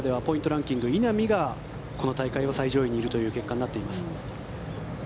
ランキング稲見がこの大会は最上位にいるという結果になっています。